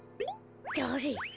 だれ？